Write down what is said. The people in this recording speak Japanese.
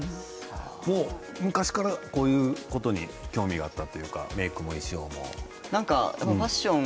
昔からこういうことに興味があったというかメークも衣装も。